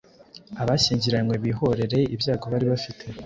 Abashyingiranywe bihorere ibyago bari bafite